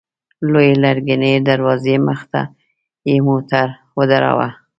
لويې لرګينې دروازې مخته يې موټر ودراوه.